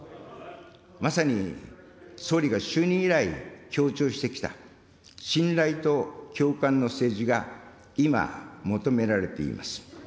まさに総理が就任以来、強調してきた、信頼と共感の政治が今、求められています。